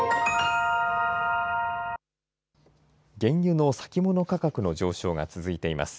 原油の先物価格の上昇が続いています。